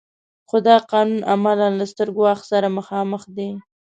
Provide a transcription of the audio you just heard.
خو دا قانون عملاً له ستر ګواښ سره مخامخ دی.